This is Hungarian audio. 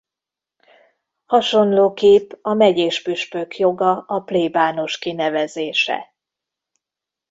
Hasonlóképp a megyés püspök joga a plébános kinevezése.